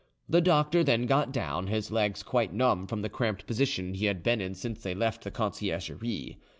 The doctor then got down, his legs quite numb from the cramped position he had been in since they left the Conciergerie.